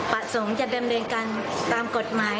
ประสงค์จะดำเนินการตามกฎหมาย